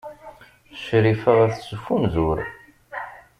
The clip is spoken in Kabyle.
Crifa ad tettfunzur.